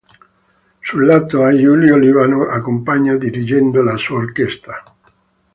Sul lato A Giulio Libano accompagna dirigendo la sua orchestra.